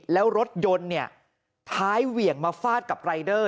แล้วรถยนต์เนี่ยท้ายเหวี่ยงมาฟาดกับรายเดอร์